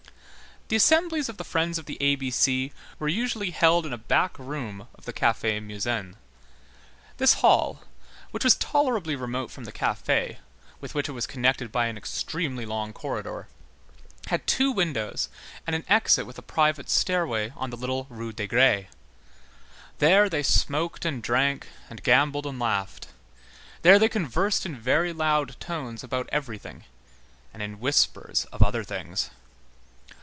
The assemblies of the Friends of the A B C were usually held in a back room of the Café Musain. This hall, which was tolerably remote from the café, with which it was connected by an extremely long corridor, had two windows and an exit with a private stairway on the little Rue des Grès. There they smoked and drank, and gambled and laughed. There they conversed in very loud tones about everything, and in whispers of other things.